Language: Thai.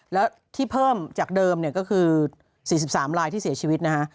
แล้วที่เพิ่มจากเดิมเนี่ยก็คือ๔๓ลายที่เสียชีวิตนะฮะ